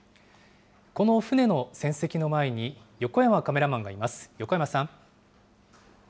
この船の戦跡の前に、横山カメラマンがいます。